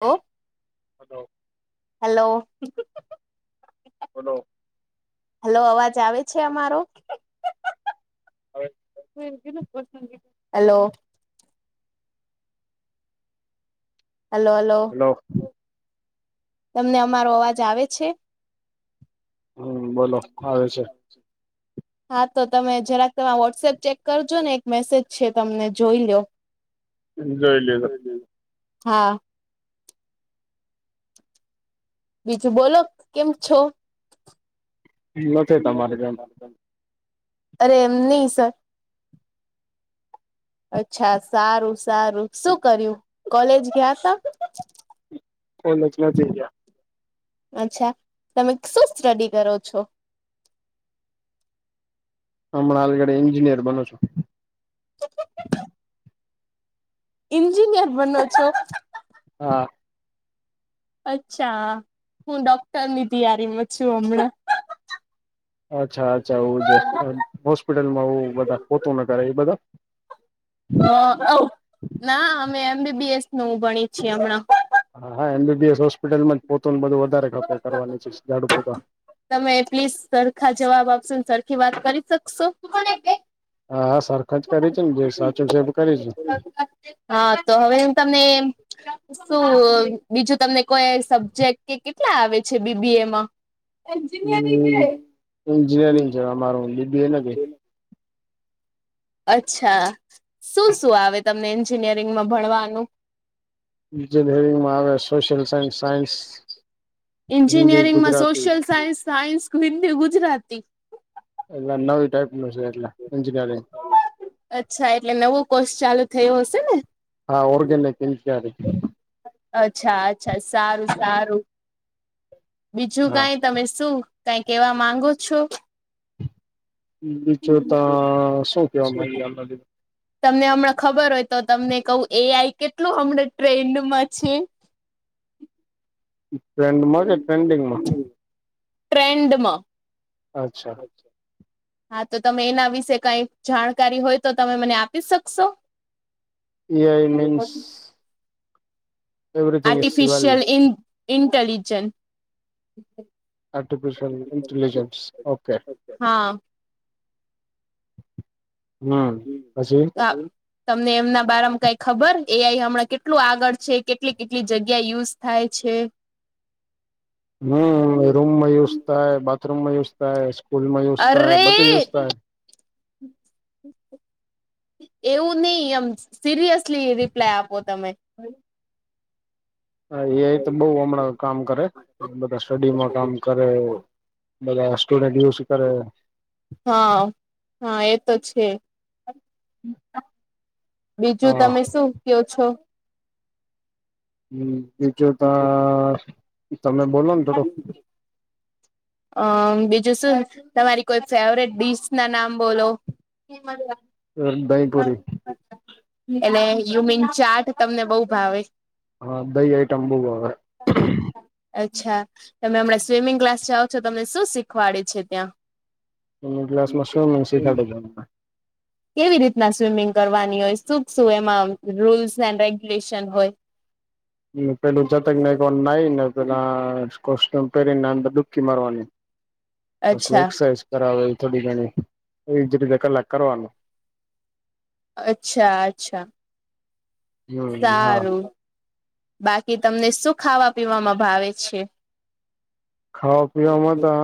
ઓ. Hello. Hello. બોલો. Hello અવાજ આવે છે અમારો? આવે. હેલો. Hello hello. હલો. તમને અમારો અવાજ આવે છે? હમ બોલો આવે છે [inaudible] હા તો તમે જરાક તમે વોટ્સએપ ચેક કરજો ને એક મેસેજ છે તમને જોઈ લો. જોઈ લીધો હા. બીજું બોલો કેમ છો? નથી તમારે જેમ. અરે એમ નહી સર. અચ્છા સારું સારું શું કર્યું, કોલેજ ગયા ત. એચ નથી જયા. અચ્છા, તમે શું સ્ટડી કરો છો? હમણાં લગડ એન્જિનયરનો છો. એન્જિનિયર બન છો? હા. અચ્છા, હું ડોક્ટર ની તૈયારીમાં છું હમણાં. અચ્છા અચ્છા એું હોસ્પિટલમાં બધા પોતું ન કરે એ બધા. હ ના અમે એમ બી બી એસ નું ભણી છીએ હમણાં. હા હા M B B S hospital માં જ પોને બધું વધારે ખપે કરવાની છે જાાડુ પોતા. તમે પ્લીઝ સરખા જવાબ આપશો સરખી વાત કરી શકશો? હા હા સરખંજ કરી છે ને જે સાચું છેબ કરી છે. હા તો હવે હું તમને શું બીજું તમને કોઈ સબ્જેક્ટ કે કેટલા આવે છે બી બી એમાં? હ એન્જિનિયરિંગ છે અમારું બી બી એ ન ક. અચ્છા, શું શું આવે તમને એન્જિનિયરિંગમાં ભણવાનું? જેેરિંગમાં આવે સોશિયલ સાયન્સ સાયન્સ, હિન્દી એન્જિનિયરિંગમાં ગુજરાતી. Social science. હિન્દી ગુજરાતી. એ નવી ટાઈપનું છે એટલે, એન્જિરીંગ. અચ્છા એટલે નવો કોર્ષ ચાલુ થયો હશે ને. હા ઓરગને કેમ. અચ્છા અચ્છા સારું સારું. બીજું હા કઈ તમે શું કઈ કેવા માંગો છો? બીચું ત શું કેવા માંગિએ અમે તો. તમને હમણાં ખબર હોય તો તમને કહું એ આઈ કેટલું હમણાં ટ્રેન્ડમાં છે. ટ્રેન્ડમાં કે ટ્રેન્ડિંગ માં? ટ્રેન્ડમાં. અચ્છા હા તો તમે એના વિશે કઈક જાણકારી હોય તો તમે મને આપી શકશો? AI means everything is well artificial in intelligence artificial intelligence okay હા હમ પછી હમ આ તમને એમના બારામાં કઈ ખબર એ આઈ હમણાં કેટલું આગળ છે કેટલી કેટલી જગ્યા યુઝ થાય છે હમ રૂમ માં યુઝ થાય બાથરૂમમાં યુઝ થાય સ્કૂલ માં યુઝ થાય અરે બધી યુઝ થાય એવું નઈ આમ સિરિયસલી રિપ્લાય આપો તમે હા એ આઈ તો બઉ હમણાં કામ કરે બધા સ્ટડીમાં કામ કરે બધા સ્ટુડન્ટ યુસ કરે હા હા એ તો છે હમ બીજું તમે શું કયો છો હમ બીજો તો તમે બોલો ને થોડું અમ બીજું શું તમારી કોઈ ફેવરેટ ડીશ ના નામ બોલો દહીંપુરી એટલે યુમિન ચાટ તમને બહુ ભાવે હા દહી આઈટમ બવ ભાવે અચ્છા તમે હમણાં સ્વિમિંગ ક્લાસ જાઓ તો તમને શું શીખવાડે છે ત્યાં મ ગ્લાસ મશરૂમ [unintelligible] કેવી રીતના સ્વિમિંગ કરવાની હોય સુખ શું એમાં રૂલ્સ એન્ડ રેગ્યુલેશન હોય હમ પેલું જતક ના કો નાઈ ને પેલા [unintelligible] પહેરી ને અંદર ડુબકી મારવાની પછી અચ્છા એક્સરસાઇઝ કરાવે થોડી ઘણી એજ રીતે કલાક કરવાનું અચ્છા અચ્છા હમ હા સારું બાકી તમને શું ખાવા પીવામાં ભાવે છે ખાવા પીવામાં તા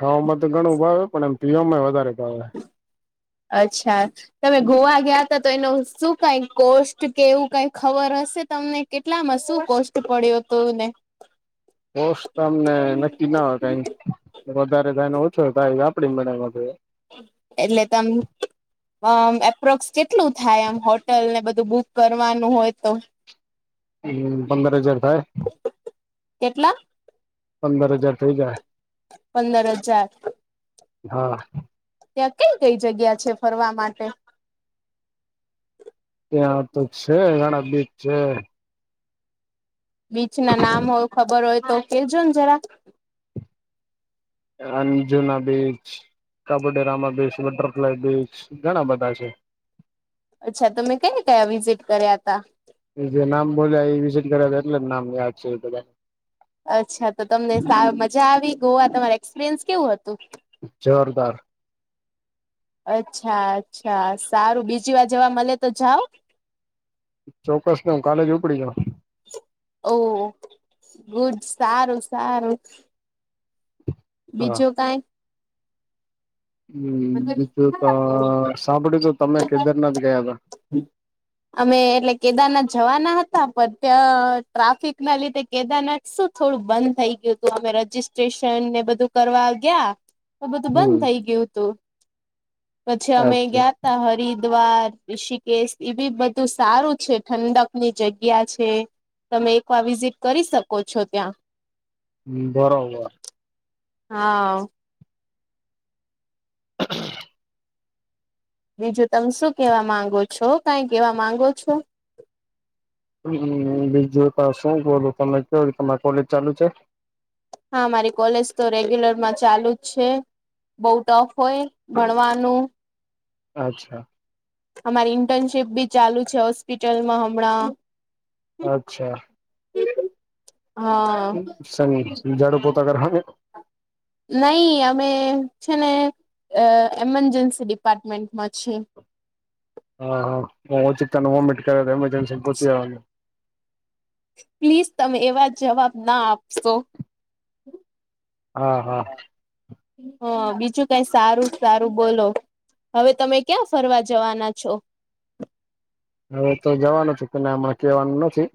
ખાવામાં તો ઘણું ભાવે પણ એમ પીવામાં વધારે ભાવે અચ્છા તમે ગોવા ગયા હતા તો એનું શું કઈ કોસ્ટ કે એવું કઈ ખબર હશે તમને કેટલામાં શું કોસ્ટ પડ્યુ તું ને કોષ તો અમને નક્કી ના હોય કઈ વધારે થાયને ઓછો થાય આપડી [inaudible] એટલે તમ એપ્રોક્સ કેટલું થાય આમ હોટલ ને બધું બુક કરવાનું હોય તો હમ પંદર હજાર થાય કેટલા પંદર હજાર થઇ જાય પંદર હજાર હા ત્યાં કઈ કઈ જગ્યા છે ફરવા માટે ત્યાં તો છે ઘણા બીચ છે બીચ ના નામ હોય ખબર હોય તો કેજો ને જરા અને જુના બીચ કબુડેરામા બીચ બટરફ્લાય બીચ ઘણા બધા છે અચ્છા તમે કયા કયા વિઝિટ કર્યા હતા એ જે નામ બોલ્યા એ વિઝિટ કર્યા એટલે નામ યાદ છે અચ્છા તો તમને તા મજા આવી ગોવા તમારે એક્સપિરિયન્સ કેવું હતું જોરદાર અચ્છા અચ્છા સારું બીજી વાર જવા મળે તો જાઓ? ચોક્કસ ને હું કાલેજ ઉપડી જાઉ. ઓ, ગુડ સારું સારું. હા બીજું કઈ. હમ બીજું કઈ તો સાંભળ્યું તો તમે કેદારનાથ ગયા હતા. હમ. અમે એટલે કેદારનાથ જવાના હતા પણ ત્યાં ટ્રાફિક ના લીધે કેદારનાથ શું થોડું બંધ થઈ ગયું તું અમે રજીિસ્ટ્રેશન ને બધું કરવા ગયા. તો બધું બંધ હમ થઈ ગયું હતું, પછી અમે અચ્છા ગયા ત હરી દ્વાર ઋષિકેશ એ બ બધું સારું છે ઠંડક ની જગ્યા છે. તમે એકવાર વિઝિટ કરી શકો છો ત્યાં. હ બરોબર. હા. હ [unintelligible] બીજું તમે શું કેવા માંગો છો કઈ કેવા માંગો છો? હ બીજું ત શું કું તમે કે તમારા કોલેજ ચાલુ છે? હા મારી કોલેજ તો રેગ્યુલરમાં ચાલુ જ છે. બઉુ ટફ હોય ભણવાનું. અચ્છા. અમારી ઇન્ટર્નશીપ બી ચાલુ છે હોસ્પિટલમાં હમણાં. અચ્છા, હા સ જાડુ પોતા કર. નઈ અમે છે ને અ એમરજન્સી ડિપાર્ટમેન્ટમાં છીએ. હા હા હ ઓછીક ત હમટ કર એમરજન્સી કોતીવા. પ્લીઝ તમે એવા જવાબ ના આપશો. હા હા. હ બીજું કઈ સારું સારું બોલો. હવે તમે ક્યાં ફરવા જવાના છો? હવે તો જવાનું છું પન આ હમણા કેવાનું નથી,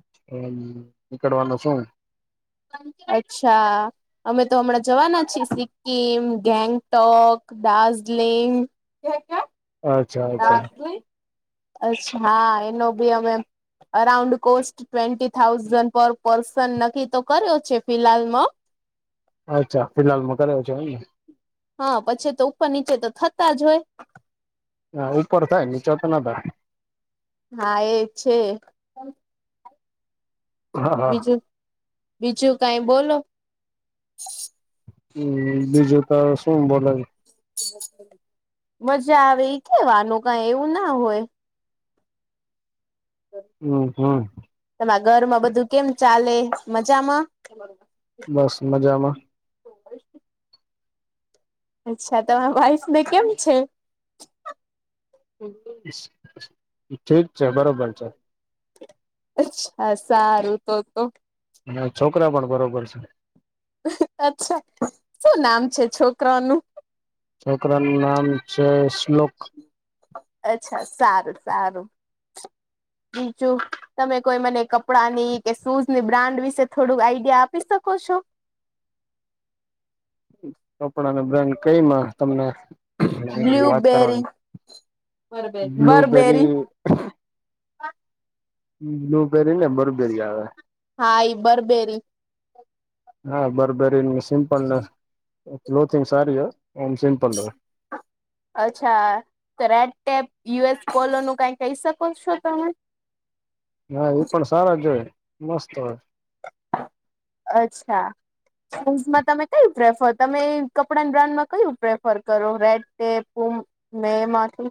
નીકળવાનું છું. અચ્છા અમે તો અમણાં જવાના છીએ સિક્કિમ, ગેંગ ટોક, દાર્જલિંગ. અચ્છા અચ્છા અચ્છા હા એનો ભી અમે. અરાઉન્ડ કોસ્ટ ટ્વેન્ટી થાઉઝન્ડ પર પર્સન નક્કી તો કર્યો છે ફિહાલમાં. અચ્છા ફિલહાલમાં કરયો છો એમ ને. હા પછી તો ઉપર નીચે તો થતા જ હોય. હા ઉપર થાય નીચા તો ના થાય. હા એ છે. હા હા બીજું બીજું કાઈ બોલો. હું બીજું તો શું બોલે. મજા આવે ઈ કેવાનું કઈ એવું ના હોય. હું હું. તમા ઘરમાં બધું કેમ ચાલે મજામાં? બસ મજામાં. અચ્છા તમા વાઈફને કેમ છે? ઠીક છે બરોબર છે. અચ્છા સારું તો તો. ને છોકરા પણ બરોબર છે. અચ્છા. શું નામ છે છોકરાઓનું? છોકરા નું નામ છે શ્લોક. અચ્છા, સારું-સારું. બીજું, તમે કોઈ મને કપડા ની કે શૂઝની બ્રાન્ડ વિશે થોડુંક આઈડિયા આપી શકો છો? કપડા ને બ્રાન્ડ કંઈમાં તમને [inaudible] વાત બ્લુબેરી કરવાની. બરબેરી બ્લુબેરી બ્લુબેરી ને બરબેરી આવે. હા ઈ બરબેેરી. હા બરબેરીનું સિમ્પલ ને, ક્લોથિંગ સારી હોય, એમ સિમ્પલ હોય. અચ્છા. તો રેડટેપ, યુ એસ પોલો નું કાંઈ કહી શકો છો તમે? હા ઈ પણ સારા જ હોય, મસ્ત હોય. અચ્છા. સૂઝમાં તમે કયું પ્રેફર, તમે કપડાની બ્રાન્ડમાં કયું પ્રેફર કરો? રેડટેપ, પુમ ને એમાંથી?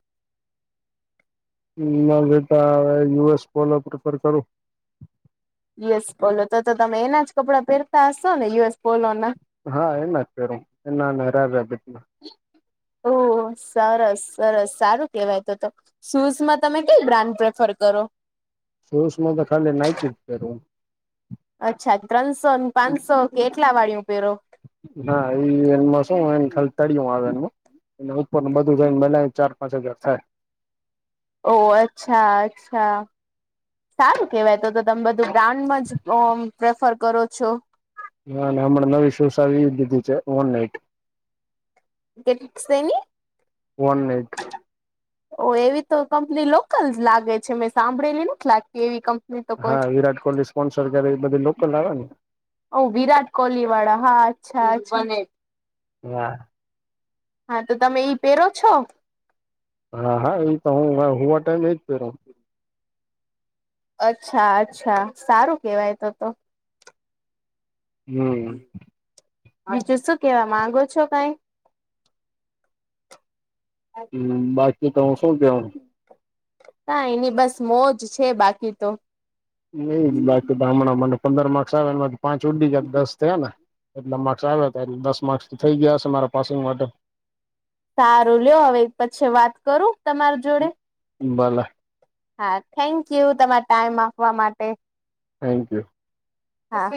[inaudible] યુ એસ પોલો પ્રિફર કરું. યુ એસ પોલો, તો-તો તમે એના જ કપડાં પહેરતા હશો ને યુ એસ પોલો ના? હા એના જ પહેરું. એના ને રજાબેટના. ઓહ! સરસ-સરસ, સારું કહેવાય તો-તો. શૂઝમાં તમે કંઈ બ્રાન્ડ પ્રેફર કરો? શૂઝ માં તો ખાલી નાયકી જ પહેરું હું. અચ્છા. ત્રણસો ન પાંસો કેટલા વાળીનું પહેરો? હા ઈ એનમાં શું હોય ખાલી તડીયું આવે એમનું. એનાં ઉપર નું બધું થઈને બનાઈન ચાર પાંચ હજાર થાય. ઓહ! અચ્છા-અચ્છા. સારું કહેવાય, તો-તો તમે બધું બ્રાન્ડમાં જ ઓમ પ્રેફર કરો છો. હા ને હમણાં નવી શૂઝ આવી ઈ લીધી છે વન નાઈટ. કેટ શેની? One night. ઓહ એવી તો કંપની લોકલસ જ લાગે છે, મેં સાંભળેલી નથ લાગતી એવી કંપ હા વિરાટ કોહલી સ્પોન્સર કરે ઈ બધી લોકલ આવેને! ઓહ વિરાટ કોહલી વાળા હા, અચ્છા-અચ્છા. [inaudible] હા તો તમે ઈ પહેરો છો? હા, હા ઈ તો હુ મારા હુવા ટાઈમે ઈ જ પહેરું. અચ્છા-અચ્છા. સારું કહેવાય તો-તો. હમ બીજું શું કહેવા માંગો છો કાંઈ? અમ્મ બાકી તો હું શું કહેવું? કાંઈ નહીં બસ મોજ છે બાકી તો. નહીં, બાકી તો હમણાં મને પંદર માર્ક્સ આવે એમાંથી પાંચ ઉડી જાય તો દસ થયા ને! એટલા માર્ક્સ આવ્યા હતા, એટલે દસ માર્ક્સ થઈ ગયા હશે મારા પાસિંગ માટે. સારું લ્યો હવે ઈ પછી વાત કરું તમાર જોડે. ભલે. હા થેન્ક યુ. તમાર ટાઈમ આપવા માટે. Thank you. હા.